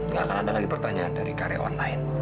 nggak akan ada lagi pertanyaan dari karyawan lain